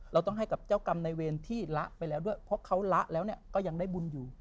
เราต้องให้กับเจ้ากรรมในเวรที่ละไปแล้วด้วยเพราะเขาละแล้วก็ยังได้บุญอยู่